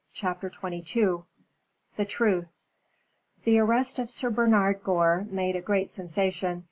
CHAPTER XXII THE TRUTH The arrest of Sir Bernard Gore made a great sensation.